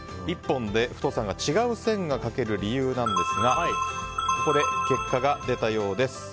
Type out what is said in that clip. １本で太さが違う線が書ける理由なんですがここで結果が出たようです。